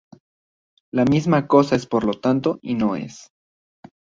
La misma cosa es por lo tanto y no es.